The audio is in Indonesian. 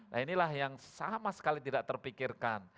nah inilah yang sama sekali tidak terpikirkan